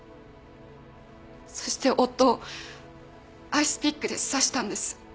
そして夫をアイスピックで刺したんです。